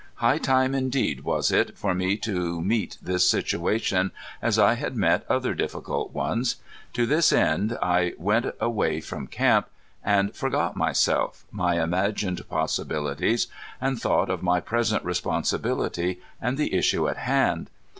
High time indeed was it for me to meet this situation as I had met other difficult ones. To this end I went out away from camp, and forgot myself, my imagined possibilities, and thought of my present responsibility, and the issue at hand.